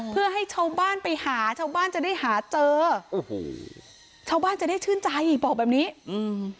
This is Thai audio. เพื่อให้ชาวบ้านไปหาชาวบ้านจะได้หาเจอโอ้โหชาวบ้านจะได้ชื่นใจบอกแบบนี้อืม